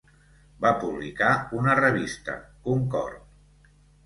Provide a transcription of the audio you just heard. Va publicar una revista, "Concord".